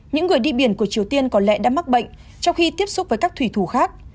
những người đi biển của triều tiên có lẽ đã mắc bệnh trong khi tiếp xúc với các thủy thủ khác